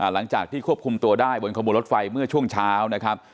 หลังจากที่ควบคุมตัวได้บนขบวนรถไฟเมื่อช่วงเช้านะครับ